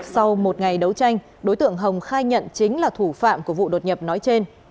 sau một ngày đấu tranh đối tượng hồng khai nhận chính là thủ phạm của vụ đột nhập nói trên